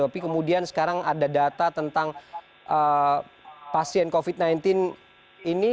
tapi kemudian sekarang ada data tentang pasien covid sembilan belas ini